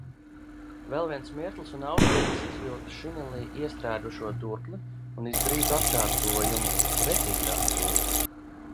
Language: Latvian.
Vēl viens mirklis un austrietis izvilktu šinelī iestrēgušo durkli, un izdarītu atkārtojumu, precīzāku dūrienu.